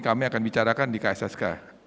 kami akan bicarakan di kssk